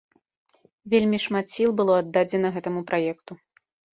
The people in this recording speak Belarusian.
Вельмі шмат сіл было аддадзена гэтаму праекту.